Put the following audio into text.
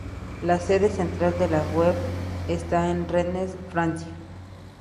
La sede central de la web está en Rennes, Francia.